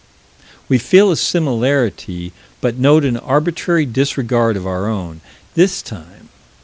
We feel a similarity, but note an arbitrary disregard of our own, this time.